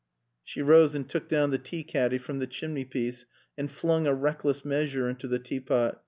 She rose and took down the tea caddy from the chimney piece and flung a reckless measure into the tea pot.